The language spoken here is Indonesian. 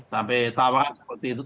sampai tawaran seperti itu